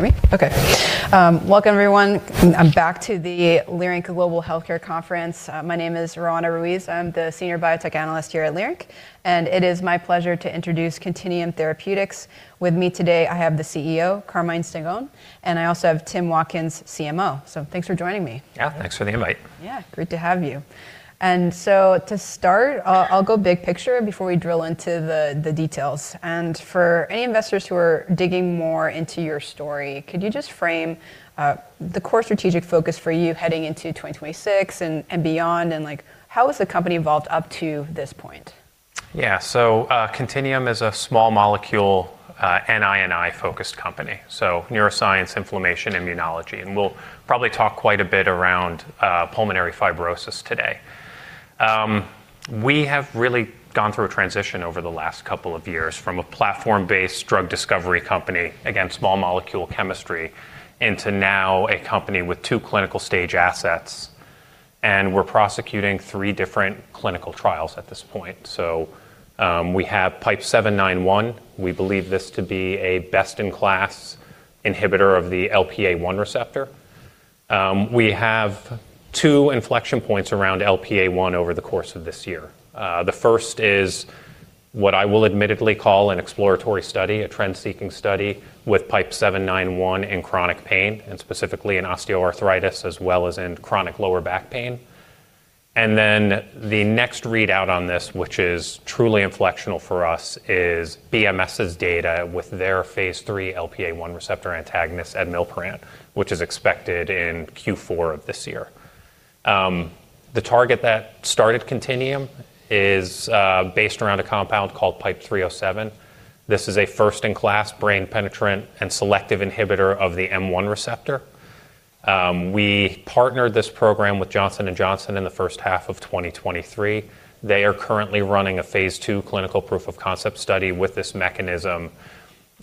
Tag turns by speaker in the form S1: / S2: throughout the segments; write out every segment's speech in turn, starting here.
S1: Welcome everyone. I'm back to the Leerink Global Healthcare Conference. My name is Roanna Ruiz. I'm the Senior Biotech Analyst here at Leerink, and it is my pleasure to introduce Contineum Therapeutics. With me today, I have the CEO, Carmine Stengone, and I also have Tim Watkins, CMO. Thanks for joining me.
S2: Yeah, thanks for the invite.
S1: Yeah, great to have you. To start, I'll go big picture before we drill into the details. For any investors who are digging more into your story, could you just frame the core strategic focus for you heading into 2026 and beyond, and like, how has the company evolved up to this point?
S2: Contineum is a small molecule NI&I-focused company. Neuroscience, inflammation, immunology, and we'll probably talk quite a bit around pulmonary fibrosis today. We have really gone through a transition over the last couple of years from a platform-based drug discovery company against small molecule chemistry into now a company with two clinical-stage assets, and we're prosecuting three different clinical trials at this point. We have PIPE-791. We believe this to be a best-in-class inhibitor of the LPA1 receptor. We have two inflection points around LPA1 over the course of this year. The first is what I will admittedly call an exploratory study, a trend-seeking study with PIPE-791 in chronic pain, and specifically in osteoarthritis as well as in chronic lower back pain. The next readout on this, which is truly inflectional for us, is BMS's data with their phase III LPA1 receptor antagonist, zimilparant, which is expected in Q4 of this year. The target that started Contineum is based around a compound called PIPE-307. This is a first-in-class brain penetrant and selective inhibitor of the M1 receptor. We partnered this program with Johnson & Johnson in the first half of 2023. They are currently running a phase II clinical proof of concept study with this mechanism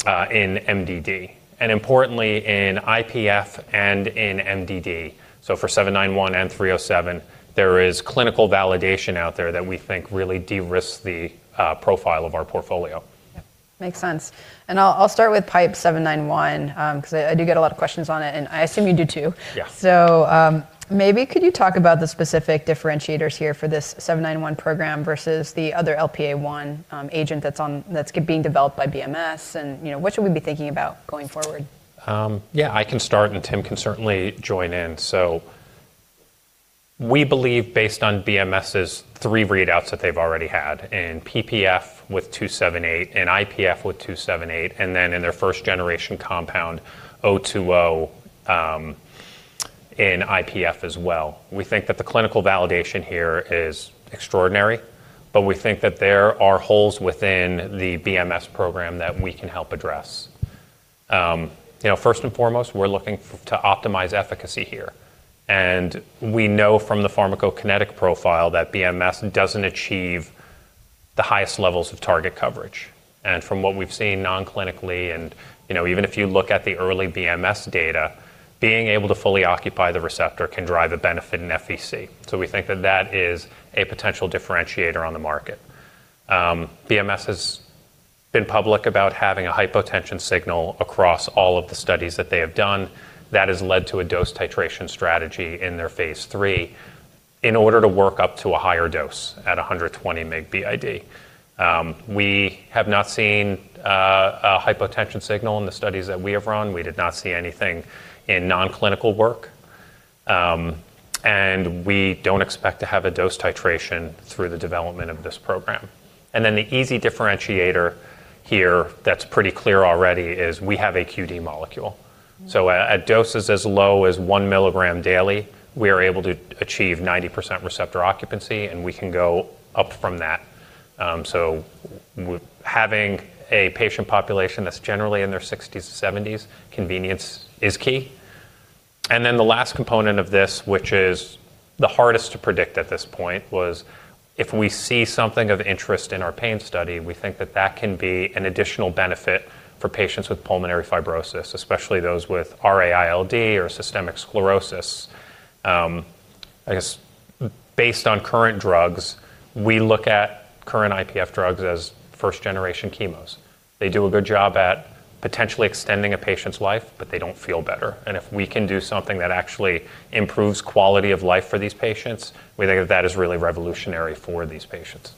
S2: in MDD, and importantly in IPF and in MDD. For PIPE-791 and PIPE-307, there is clinical validation out there that we think really de-risks the profile of our portfolio.
S1: Yeah. Makes sense. I'll start with PIPE-791, 'cause I do get a lot of questions on it, and I assume you do too.
S2: Yeah.
S1: Maybe could you talk about the specific differentiators here for this PIPE-791 program versus the other LPA1 agent that's being developed by BMS and, you know, what should we be thinking about going forward?
S2: Yeah, I can start and Tim can certainly join in. We believe based on BMS's three readouts that they've already had in PPF with 278, in IPF with 278, and then in their first generation compound, 020, in IPF as well. We think that the clinical validation here is extraordinary, but we think that there are holes within the BMS program that we can help address. You know, first and foremost, we're looking to optimize efficacy here, and we know from the pharmacokinetic profile that BMS doesn't achieve the highest levels of target coverage. From what we've seen non-clinically, you know, even if you look at the early BMS data, being able to fully occupy the receptor can drive a benefit in FVC. We think that that is a potential differentiator on the market. BMS has been public about having a hypotension signal across all of the studies that they have done. That has led to a dose titration strategy in their phase III in order to work up to a higher dose at 120 mg BID. We have not seen a hypotension signal in the studies that we have run. We did not see anything in non-clinical work, and we don't expect to have a dose titration through the development of this program. The easy differentiator here that's pretty clear already is we have a QD molecule. At doses as low as 1 mg daily, we are able to achieve 90% receptor occupancy, and we can go up from that. Having a patient population that's generally in their 60s-70s, convenience is key. Then the last component of this, which is the hardest to predict at this point, was if we see something of interest in our pain study, we think that that can be an additional benefit for patients with pulmonary fibrosis, especially those with RA-ILD or systemic sclerosis. I guess based on current drugs, we look at current IPF drugs as first generation chemos. They do a good job at potentially extending a patient's life, but they don't feel better. If we can do something that actually improves quality of life for these patients, we think that is really revolutionary for these patients.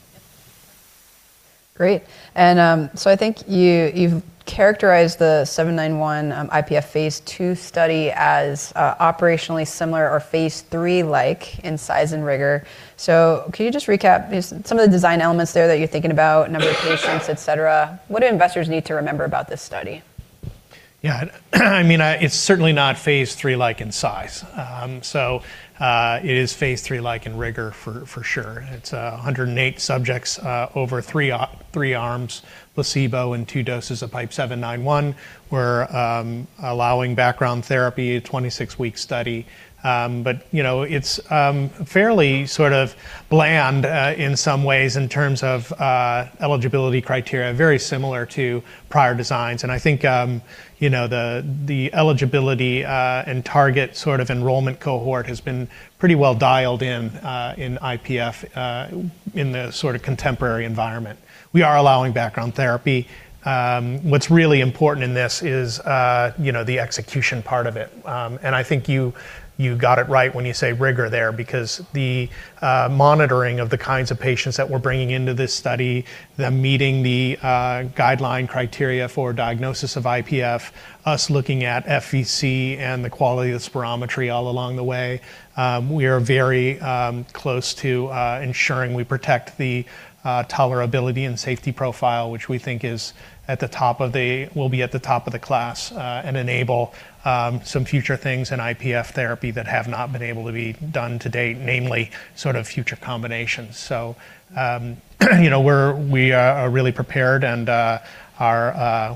S1: Great. I think you've characterized the PIPE-791 IPF phase II study as operationally similar or phase III-like in size and rigor. Can you just recap just some of the design elements there that you're thinking about, number of patients, etc. What do investors need to remember about this study?
S3: Yeah. I mean, it's certainly not phase III like in size. It is phase III like in rigor for sure. It's 108 subjects over three arms, placebo, and two doses of PIPE-791. We're allowing background therapy, a 26-week study. You know, it's fairly sort of bland in some ways in terms of eligibility criteria, very similar to prior designs. I think you know, the eligibility and target sort of enrollment cohort has been pretty well dialed in in IPF in the sort of contemporary environment. We are allowing background therapy. What's really important in this is you know, the execution part of it. I think you got it right when you say rigor there because the monitoring of the kinds of patients that we're bringing into this study, them meeting the guideline criteria for diagnosis of IPF, us looking at FVC and the quality of spirometry all along the way, we are very close to ensuring we protect the tolerability and safety profile, which we think will be at the top of the class, and enable some future things in IPF therapy that have not been able to be done to date, namely sort of future combinations. You know, we are really prepared and are.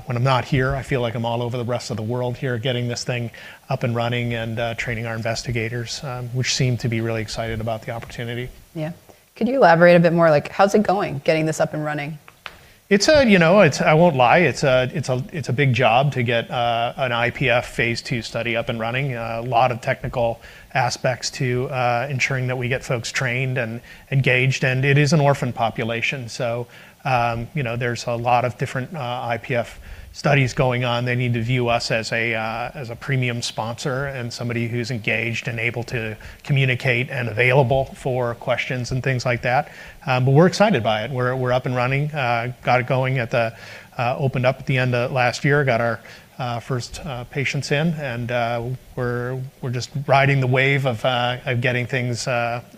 S3: When I'm not here, I feel like I'm all over the rest of the world here getting this thing up and running and training our investigators, which seem to be really excited about the opportunity.
S1: Yeah. Could you elaborate a bit more? Like, how's it going getting this up and running?
S3: It's you know, I won't lie, it's a big job to get an IPF phase II study up and running. A lot of technical aspects to ensuring that we get folks trained and engaged, and it is an orphan population. You know, there's a lot of different IPF studies going on. They need to view us as a premium sponsor and somebody who's engaged and able to communicate and available for questions and things like that. We're excited by it. We're up and running. Opened up at the end of last year, got our first patients in, and we're just riding the wave of getting things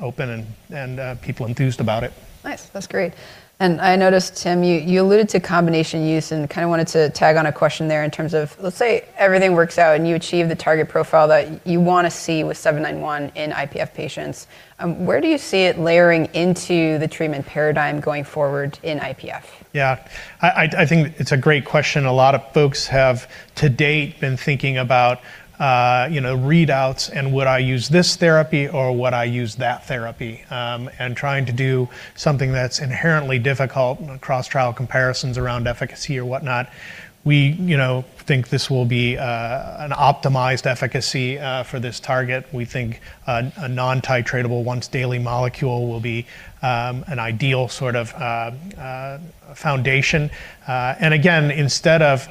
S3: open and people enthused about it.
S1: Nice. That's great. I noticed, Tim, you alluded to combination use and kind of wanted to tag on a question there in terms of, let's say everything works out and you achieve the target profile that you wanna see with seven-nine-one in IPF patients, where do you see it layering into the treatment paradigm going forward in IPF?
S3: Yeah. I think it's a great question a lot of folks have to date been thinking about, you know, readouts and would I use this therapy or would I use that therapy, and trying to do something that's inherently difficult, cross-trial comparisons around efficacy or whatnot. We, you know, think this will be an optimized efficacy for this target. We think a non-titratable once-daily molecule will be an ideal sort of foundation. And again, instead of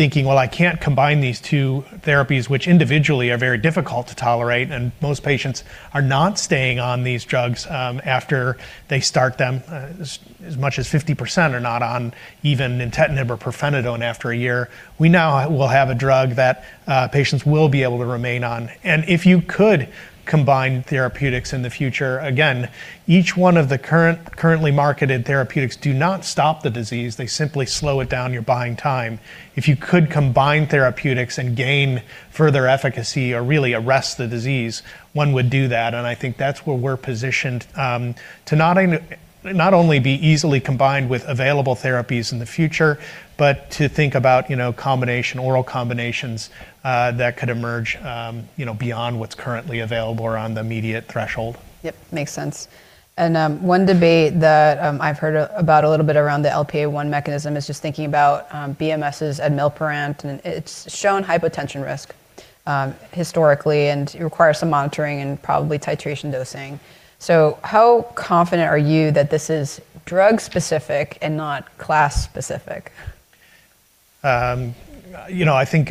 S3: thinking, well, I can't combine these two therapies, which individually are very difficult to tolerate, and most patients are not staying on these drugs after they start them, as much as 50% are not on even nintedanib or pirfenidone after a year, we now will have a drug that patients will be able to remain on. If you could combine therapeutics in the future, again, each one of the currently marketed therapeutics do not stop the disease. They simply slow it down. You're buying time. If you could combine therapeutics and gain further efficacy or really arrest the disease, one would do that, and I think that's where we're positioned, to not only be easily combined with available therapies in the future, but to think about, you know, combination, oral combinations, that could emerge, you know, beyond what's currently available or on the immediate threshold.
S1: Yep. Makes sense. One debate that I've heard about a little bit around the LPA1 mechanism is just thinking about BMS' zimilparant, and it's shown hypotension risk, historically, and it requires some monitoring and probably titration dosing. How confident are you that this is drug-specific and not class-specific?
S3: You know, I think,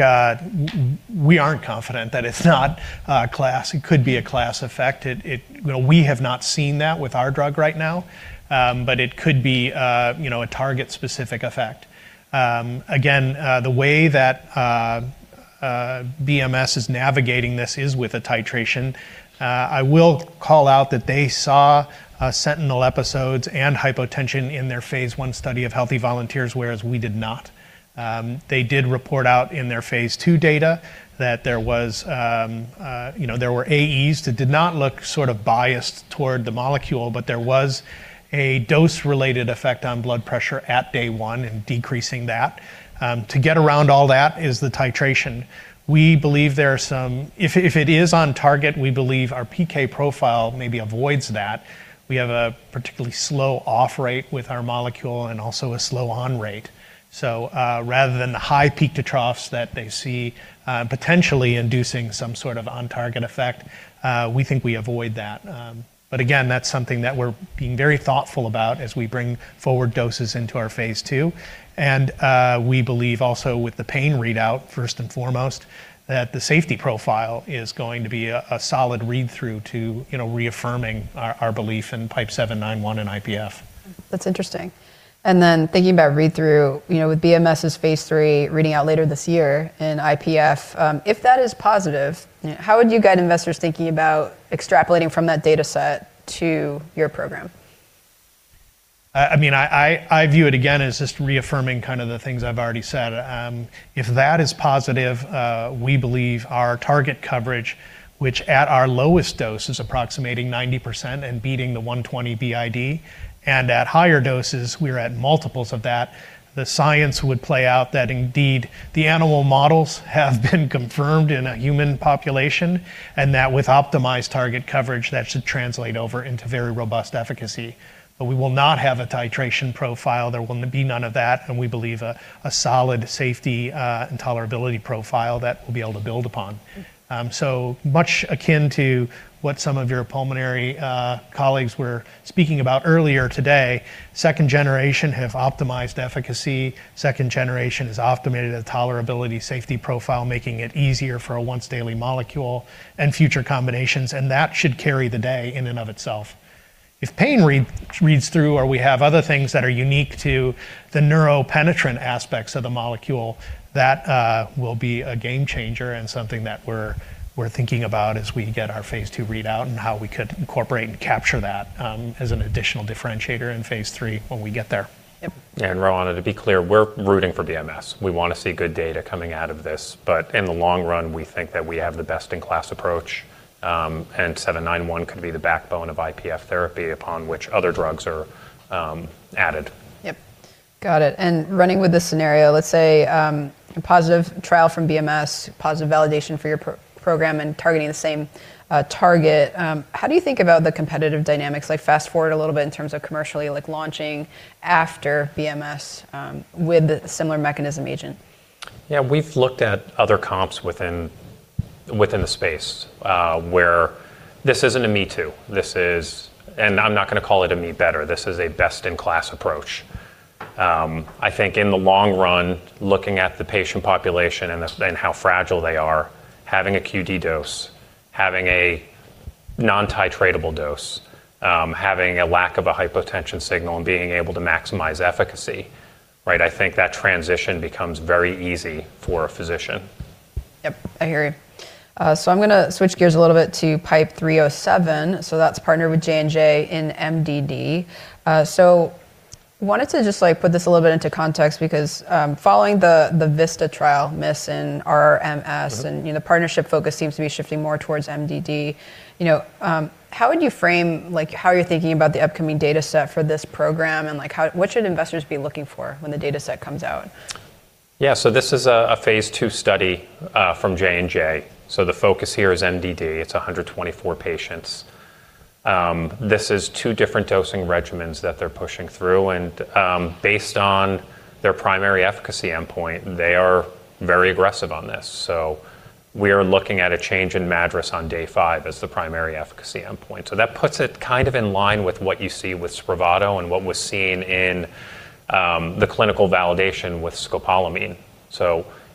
S3: we aren't confident that it's not a class. It could be a class effect. You know, we have not seen that with our drug right now, but it could be, you know, a target-specific effect. Again, the way that BMS is navigating this is with a titration. I will call out that they saw sentinel episodes and hypotension in their phase I study of healthy volunteers, whereas we did not. They did report out in their phase II data that there was, you know, there were AEs that did not look sort of biased toward the molecule, but there was a dose-related effect on blood pressure at day one in decreasing that. To get around all that is the titration. We believe there are some. If it is on target, we believe our PK profile maybe avoids that. We have a particularly slow off rate with our molecule and also a slow on rate. Rather than the high peak to troughs that they see, potentially inducing some sort of on-target effect, we think we avoid that. But again, that's something that we're being very thoughtful about as we bring forward doses into our phase II. We believe also with the pain readout, first and foremost, that the safety profile is going to be a solid read-through to, you know, reaffirming our belief in PIPE-791 in IPF.
S1: That's interesting. Thinking about read-through, you know, with BMS' phase III reading out later this year in IPF, if that is positive.
S3: Yeah
S1: How would you guide investors thinking about extrapolating from that data set to your program?
S3: I mean, I view it again as just reaffirming kind of the things I've already said. If that is positive, we believe our target coverage, which at our lowest dose is approximating 90% and beating the 120 BID, and at higher doses, we're at multiples of that, the science would play out that indeed the animal models have been confirmed in a human population, and that with optimized target coverage, that should translate over into very robust efficacy. But we will not have a titration profile. There will be none of that, and we believe a solid safety and tolerability profile that we'll be able to build upon. Much akin to what some of your pulmonary colleagues were speaking about earlier today, second generation have optimized efficacy. Second generation has optimized the tolerability safety profile, making it easier for a once-daily molecule and future combinations, and that should carry the day in and of itself. If pain re-reads through or we have other things that are unique to the neuropenetrant aspects of the molecule, that, will be a game changer and something that we're thinking about as we get our phase II readout and how we could incorporate and capture that, as an additional differentiator in phase III when we get there.
S1: Yep.
S2: Rhona, to be clear, we're rooting for BMS. We wanna see good data coming out of this. In the long run, we think that we have the best-in-class approach, and seven nine one could be the backbone of IPF therapy upon which other drugs are added.
S1: Yep. Got it. Running with this scenario, let's say a positive trial from BMS, positive validation for your PIPE program, and targeting the same target, how do you think about the competitive dynamics? Like fast-forward a little bit in terms of commercially like launching after BMS with a similar mechanism agent.
S2: Yeah, we've looked at other comps within the space, where this isn't a me too. This is. I'm not gonna call it a me better. This is a best-in-class approach. I think in the long run, looking at the patient population and how fragile they are, having a QD dose, having a non-titratable dose, having a lack of a hypotension signal, and being able to maximize efficacy, right? I think that transition becomes very easy for a physician.
S1: Yep. I hear you. I'm gonna switch gears a little bit to PIPE-307. That's partnered with J&J in MDD. Wanted to just like put this a little bit into context because, following the VISTA trial miss in RRMS. You know, the partnership focus seems to be shifting more towards MDD, you know, how would you frame like how you're thinking about the upcoming data set for this program, and like what should investors be looking for when the data set comes out?
S2: Yeah. This is a phase II study from J&J. The focus here is MDD. It's 124 patients. This is two different dosing regimens that they're pushing through. Based on their primary efficacy endpoint, they are very aggressive on this. We are looking at a change in MADRS on day five as the primary efficacy endpoint. That puts it kind of in line with what you see with Spravato and what was seen in the clinical validation with scopolamine.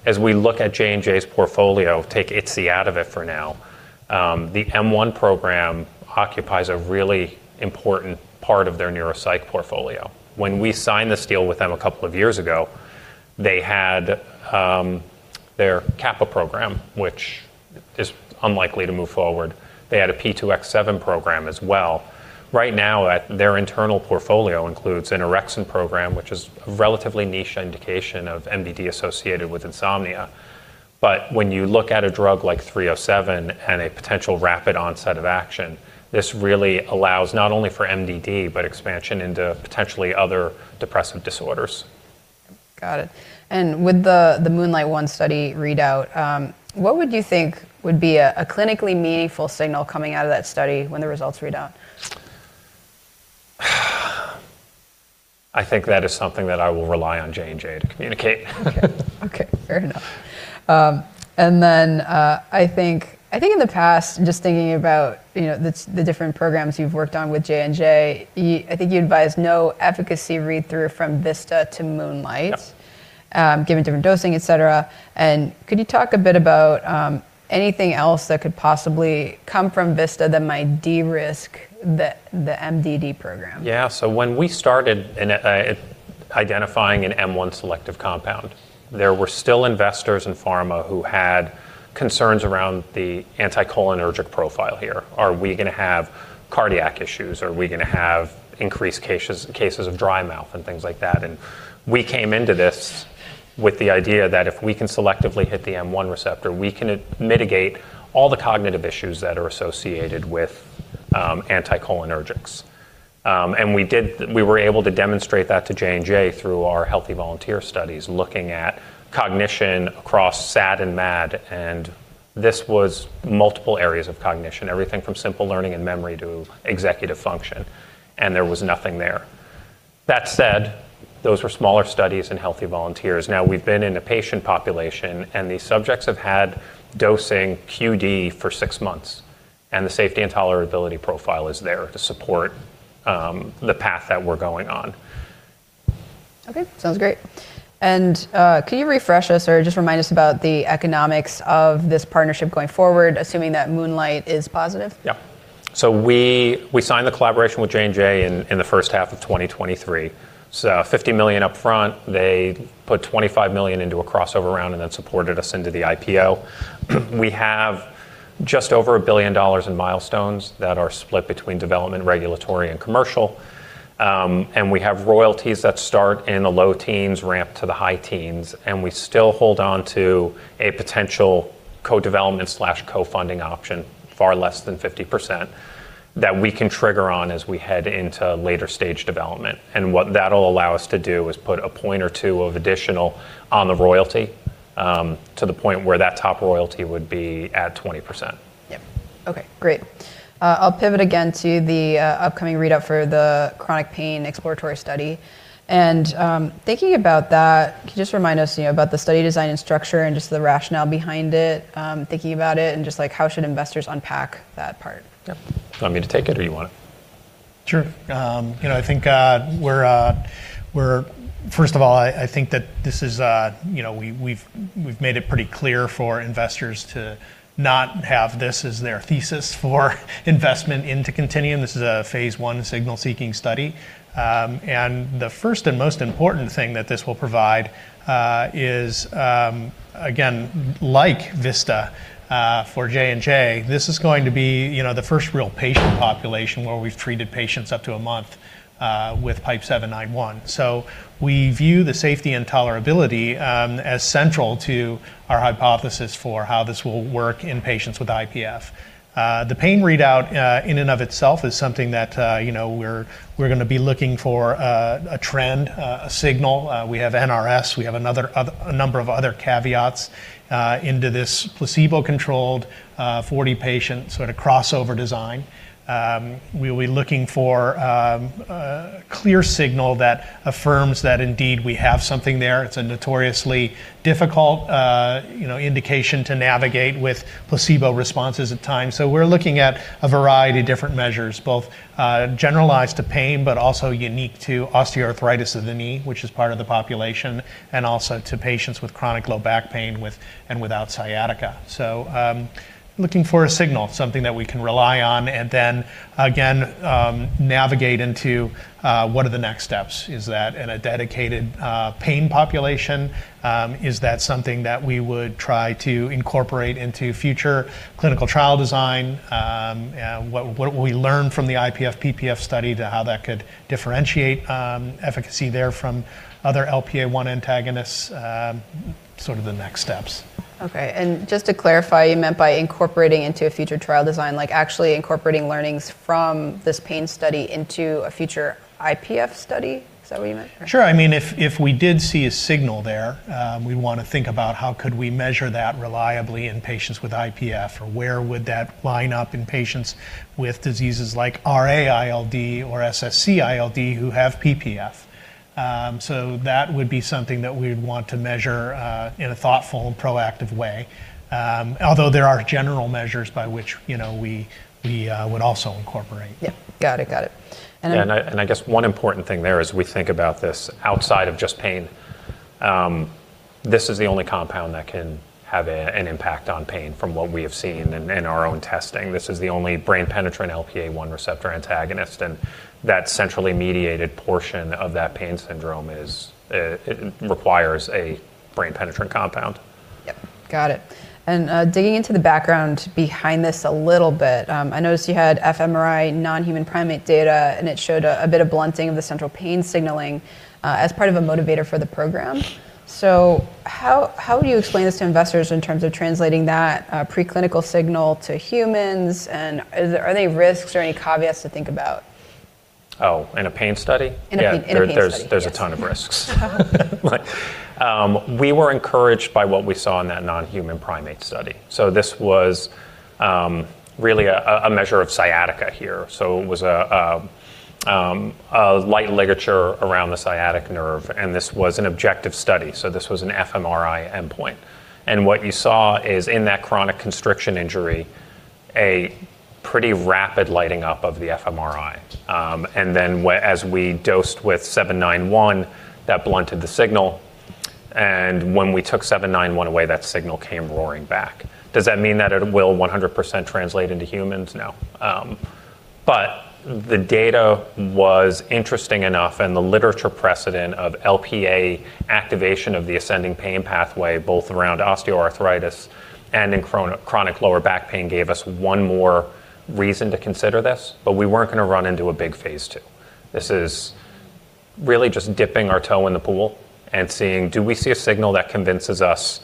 S2: As we look at J&J's portfolio, take ITSC out of it for now, the M1 program occupies a really important part of their neuropsych portfolio. When we signed this deal with them a couple of years ago, they had their CGRP program, which is unlikely to move forward. They had a P2X7 program as well. Right now, their internal portfolio includes an orexin program, which is a relatively niche indication of MDD associated with insomnia. When you look at a drug like PIPE-307 and a potential rapid onset of action, this really allows not only for MDD, but expansion into potentially other depressive disorders.
S1: Got it. With the MOONLIGHT 1 study readout, what would you think would be a clinically meaningful signal coming out of that study when the results read out?
S2: I think that is something that I will rely on J&J to communicate.
S1: Okay. Okay. Fair enough. I think in the past, just thinking about, you know, the different programs you've worked on with J&J, I think you advised no efficacy read-through from VISTA to MOONLIGHT.
S2: Yep.
S1: Given different dosing, etc. Could you talk a bit about anything else that could possibly come from VISTA that might de-risk the MDD program?
S2: Yeah. When we started in identifying an M1 selective compound, there were still investors in pharma who had concerns around the anticholinergic profile here. Are we gonna have cardiac issues? Are we gonna have increased cases of dry mouth and things like that? We came into this with the idea that if we can selectively hit the M1 receptor, we can mitigate all the cognitive issues that are associated with anticholinergics. We were able to demonstrate that to J&J through our healthy volunteer studies, looking at cognition across SAD and MAD, and this was multiple areas of cognition, everything from simple learning and memory to executive function, and there was nothing there. That said, those were smaller studies in healthy volunteers. Now, we've been in a patient population, and these subjects have had dosing QD for six months, and the safety and tolerability profile is there to support the path that we're going on.
S1: Okay. Sounds great. Can you refresh us or just remind us about the economics of this partnership going forward, assuming that MOONLIGHT is positive?
S2: We signed the collaboration with J&J in the first half of 2023. $50 million up front, they put $25 million into a crossover round and then supported us into the IPO. We have just over $1 billion in milestones that are split between development, regulatory, and commercial. We have royalties that start in the low teens% ramp to the high teens, and we still hold on to a potential co-development/co-funding option, far less than 50%, that we can trigger on as we head into later stage development. What that'll allow us to do is put a point or two of additional on the royalty to the point where that top royalty would be at 20%.
S1: Yep. Okay, great. I'll pivot again to the upcoming readout for the chronic pain exploratory study. Thinking about that, can you just remind us, you know, about the study design and structure and just the rationale behind it, thinking about it and just, like, how should investors unpack that part?
S2: Yep. You want me to take it or you want it?
S3: Sure. You know, I think we're first of all, I think that this is, you know, we've made it pretty clear for investors to not have this as their thesis for investment into Contineum. This is a phase I signal-seeking study. The first and most important thing that this will provide is, again, like VISTA for J&J, this is going to be, you know, the first real patient population where we've treated patients up to a month with Pipe seven nine one. So we view the safety and tolerability as central to our hypothesis for how this will work in patients with IPF. The pain readout in and of itself is something that, you know, we're gonna be looking for a trend, a signal. We have NRS, we have a number of other caveats into this placebo-controlled, 40-patient sort of crossover design. We'll be looking for a clear signal that affirms that indeed we have something there. It's a notoriously difficult, you know, indication to navigate with placebo responses at times. We're looking at a variety of different measures, both generalized to pain, but also unique to osteoarthritis of the knee, which is part of the population, and also to patients with chronic low back pain with and without sciatica. Looking for a signal, something that we can rely on, and then again, navigate into what are the next steps. Is that in a dedicated pain population? Is that something that we would try to incorporate into future clinical trial design? What would we learn from the IPF PPF study to how that could differentiate efficacy there from other LPA1 antagonists, sort of the next steps.
S1: Okay. Just to clarify, you meant by incorporating into a future trial design, like actually incorporating learnings from this pain study into a future IPF study? Is that what you meant?
S3: Sure. I mean, if we did see a signal there, we'd wanna think about how could we measure that reliably in patients with IPF, or where would that line up in patients with diseases like RA-ILD or SSc-ILD who have PPF. That would be something that we would want to measure, in a thoughtful and proactive way. Although there are general measures by which, you know, we would also incorporate.
S1: Yeah. Got it.
S2: I guess one important thing there as we think about this outside of just pain, this is the only compound that can have an impact on pain from what we have seen in our own testing. This is the only brain-penetrant LPA1 receptor antagonist, and that centrally mediated portion of that pain syndrome is it requires a brain-penetrant compound.
S1: Yep. Got it. Digging into the background behind this a little bit, I noticed you had fMRI non-human primate data, and it showed a bit of blunting of the central pain signaling as part of a motivator for the program. How do you explain this to investors in terms of translating that preclinical signal to humans? Are there any risks or any caveats to think about?
S2: Oh, in a pain study?
S1: In a pain study.
S2: Yeah, there's a ton of risks. We were encouraged by what we saw in that non-human primate study. This was really a measure of sciatica here. It was a light ligature around the sciatic nerve, and this was an objective study, this was an fMRI endpoint. What you saw is in that chronic constriction injury, a pretty rapid lighting up of the fMRI. Then as we dosed with 791, that blunted the signal, and when we took 791 away, that signal came roaring back. Does that mean that it will 100% translate into humans? No. The data was interesting enough and the literature precedent of LPA activation of the ascending pain pathway, both around osteoarthritis and in chronic lower back pain gave us one more reason to consider this, but we weren't gonna run a big phase II. This is really just dipping our toe in the pool and seeing, do we see a signal that convinces us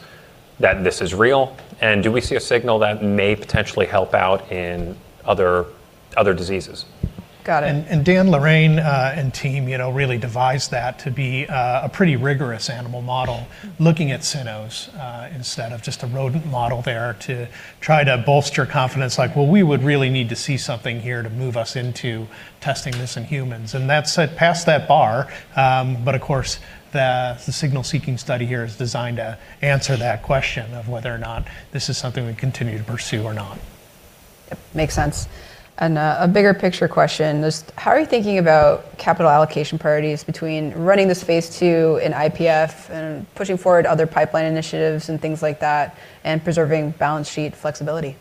S2: that this is real, and do we see a signal that may potentially help out in other diseases?
S1: Got it.
S3: Daniel Lorrain and team, you know, really devised that to be a pretty rigorous animal model looking at cynomolgus instead of just a rodent model there to try to bolster confidence like, well, we would really need to see something here to move us into testing this in humans. That's passed that bar, but of course, the signal-seeking study here is designed to answer that question of whether or not this is something we continue to pursue or not.
S1: Yep. Makes sense. A bigger picture question is how are you thinking about capital allocation priorities between running this phase II in IPF and pushing forward other pipeline initiatives and things like that, and preserving balance sheet flexibility?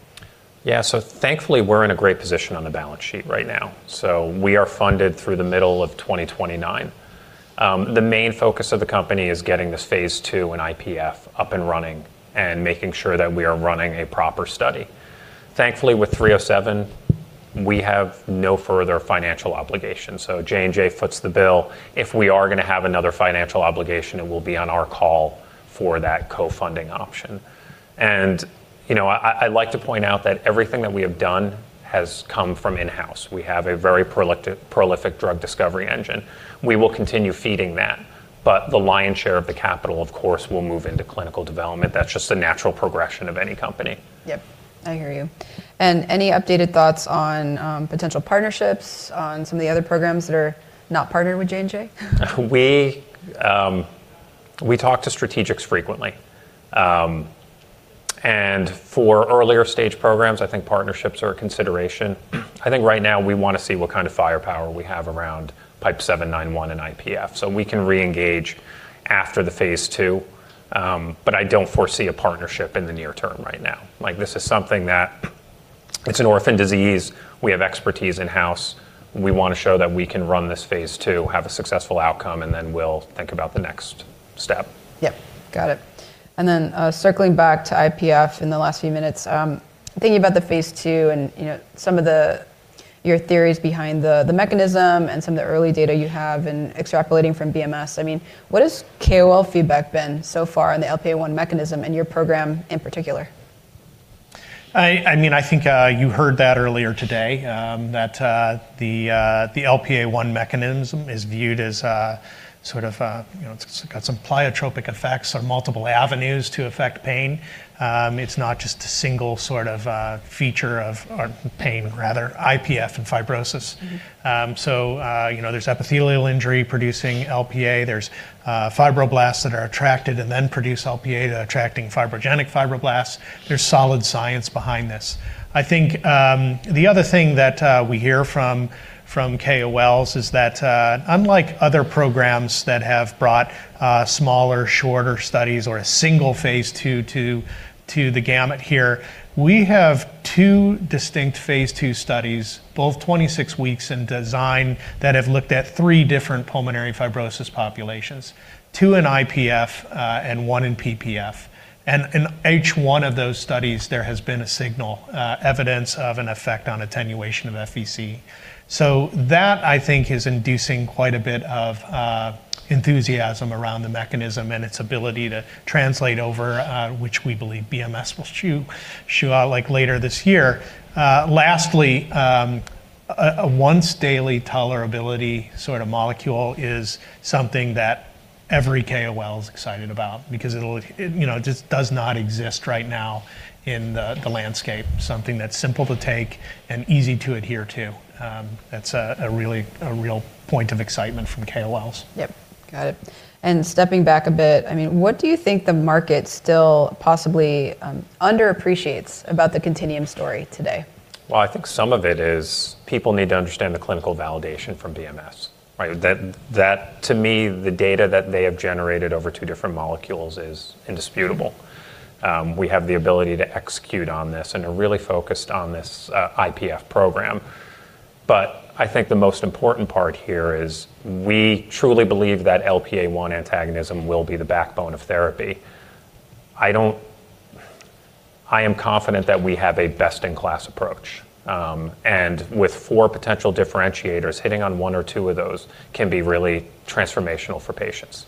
S2: Yeah. Thankfully, we're in a great position on the balance sheet right now. We are funded through the middle of 2029. The main focus of the company is getting this phase II and IPF up and running and making sure that we are running a proper study. Thankfully, with 307 we have no further financial obligations, so J&J foots the bill. If we are gonna have another financial obligation, it will be on our call for that co-funding option. You know, I'd like to point out that everything that we have done has come from in-house. We have a very prolific drug discovery engine. We will continue feeding that, but the lion's share of the capital, of course, will move into clinical development. That's just the natural progression of any company.
S1: Yep. I hear you. Any updated thoughts on potential partnerships on some of the other programs that are not partnered with J&J?
S2: We talk to strategics frequently. For earlier stage programs, I think partnerships are a consideration. I think right now we wanna see what kind of firepower we have around PIPE-791 and IPF, so we can reengage after the phase II, but I don't foresee a partnership in the near term right now. Like, this is something that it's an orphan disease. We have expertise in-house. We wanna show that we can run this phase II, have a successful outcome, and then we'll think about the next step.
S1: Yep. Got it. Circling back to IPF in the last few minutes, thinking about the phase II and, you know, some of the, your theories behind the mechanism and some of the early data you have and extrapolating from BMS, I mean, what has KOL feedback been so far on the LPA1 mechanism and your program in particular?
S3: I mean, I think you heard that earlier today, that the LPA1 mechanism is viewed as sort of a, you know, it's got some pleiotropic effects or multiple avenues to affect pain. It's not just a single sort of feature of or pain rather IPF and fibrosis. You know, there's epithelial injury producing LPA. There's fibroblasts that are attracted and then produce LPA to attracting fibrogenic fibroblasts. There's solid science behind this. I think the other thing that we hear from KOLs is that unlike other programs that have brought smaller, shorter studies or a single phase II to the gamut here, we have two distinct phase II studies, both 26 weeks in design that have looked at three different pulmonary fibrosis populations, two in IPF, and one in PPF. In each one of those studies, there has been a signal, evidence of an effect on attenuation of FVC. That I think is inducing quite a bit of enthusiasm around the mechanism and its ability to translate over, which we believe BMS will readout like later this year. Lastly, a once daily tolerability sort of molecule is something that every KOL is excited about because it'll you know just does not exist right now in the landscape, something that's simple to take and easy to adhere to. That's a really real point of excitement from KOLs.
S1: Yep. Got it. Stepping back a bit, I mean, what do you think the market still possibly under appreciates about the Contineum story today?
S2: Well, I think some of it is people need to understand the clinical validation from BMS, right? That to me, the data that they have generated over two different molecules is indisputable. We have the ability to execute on this and are really focused on this, IPF program. I think the most important part here is we truly believe that LPA1 antagonism will be the backbone of therapy. I am confident that we have a best in class approach, and with four potential differentiators, hitting on one or two of those can be really transformational for patients.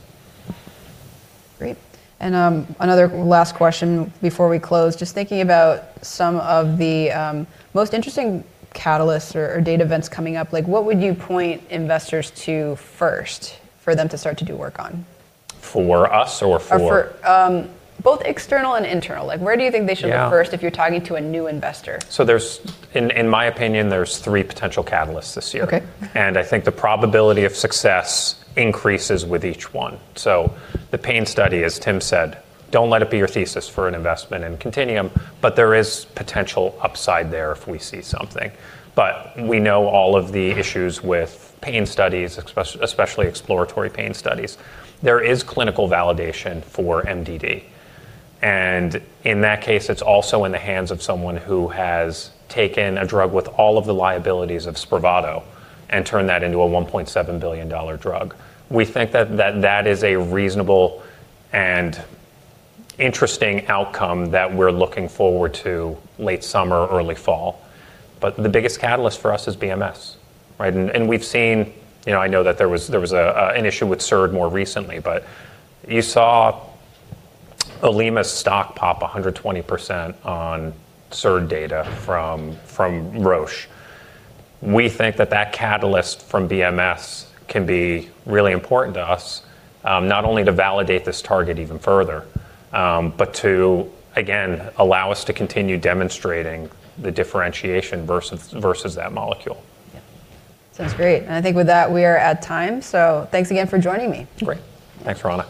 S1: Great. Another last question before we close. Just thinking about some of the most interesting catalysts or data events coming up, like, what would you point investors to first for them to start to do work on?
S2: For us or for.
S1: For both external and internal. Like, where do you think they should?
S2: Yeah.
S1: Look first if you're talking to a new investor?
S2: In my opinion, there's three potential catalysts this year.
S1: Okay.
S2: I think the probability of success increases with each one. The pain study, as Tim said, don't let it be your thesis for an investment in Contineum, but there is potential upside there if we see something. We know all of the issues with pain studies, especially exploratory pain studies. There is clinical validation for MDD, and in that case, it's also in the hands of someone who has taken a drug with all of the liabilities of Spravato and turned that into a $1.7 billion drug. We think that is a reasonable and interesting outcome that we're looking forward to late summer or early fall. The biggest catalyst for us is BMS, right? We've seen, you know, I know that there was an issue with SURPASS more recently, but you saw Alumis's stock pop 120% on SURPASS data from Roche. We think that catalyst from BMS can be really important to us, not only to validate this target even further, but to again allow us to continue demonstrating the differentiation versus that molecule.
S1: Yeah. Sounds great. I think with that we are at time, so thanks again for joining me.
S2: Great. Thanks, Roanna.